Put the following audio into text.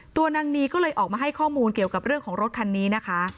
ตัวนางนีก็เลยออกมาให้ข้อมูลเกี่ยวกับเรื่องของรถคันนี้นะคะ